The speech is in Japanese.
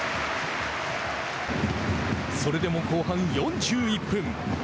それでも後半４１分。